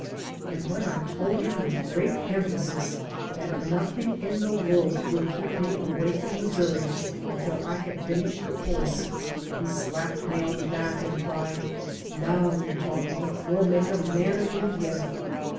And when I told him with great emphasis that nothing in the world shoidd keep me away from Missouri until I had finished the course he slapped me on the back and cried: "Now you're talking. We'll make a man of you yet."